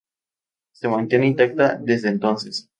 Se mantiene intacta desde entonces.